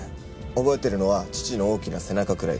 覚えているのは父の大きな背中くらいです。